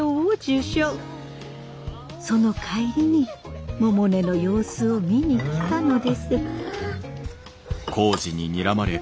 その帰りに百音の様子を見に来たのです。